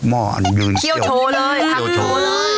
ม่อนยืนเคี่ยวโชว์เลย